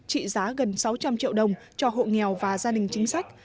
trị giá gần sáu trăm linh triệu đồng cho hộ nghèo và gia đình chính sách